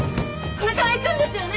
これから行くんですよね？